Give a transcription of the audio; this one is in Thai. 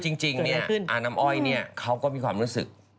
คือจริงอาน้ำอ้อยเนี่ยเขาก็มีความรู้สึก